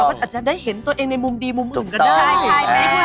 มันอาจจะได้เห็นตัวเองในมุมดีมุมอื่นก็ได้